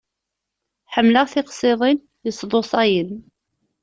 Ḥemmleɣ tiqsiḍin yesḍusayen.